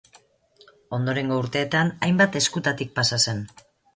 Ondorengo urteetan hainbat eskutatik pasa zen.